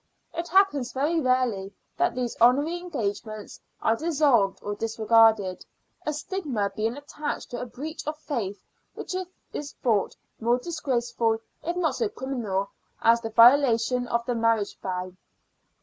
It happens very rarely that these honorary engagements are dissolved or disregarded, a stigma being attached to a breach of faith which is thought more disgraceful, if not so criminal, as the violation of the marriage vow.